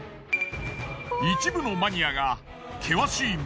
一部のマニアが険しい道